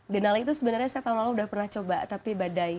denali itu sebenarnya saya tahun lalu udah pernah coba tapi badai